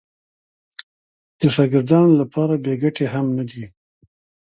د شاګردانو لپاره بې ګټې هم نه دي.